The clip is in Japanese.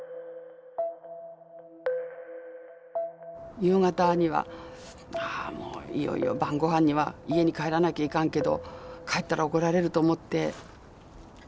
夕方にはいよいよ晩御飯には家に帰らなきゃいかんけど帰ったら怒られると思って。